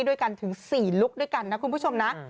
ด้วยกันถึง๔ลุคด้วยกันนะคุณผู้ชมนะ